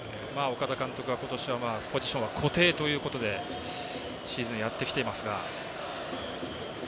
岡田監督は今年はポジションは固定ということでシーズンやってきていますが。